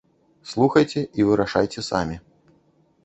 Слухайце і вырашайце самі.